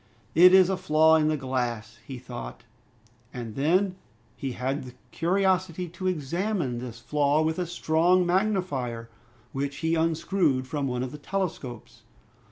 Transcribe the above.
"It is a flaw in the glass," he thought. And then he had the curiosity to examine this flaw with a strong magnifier which he unscrewed from one of the telescopes.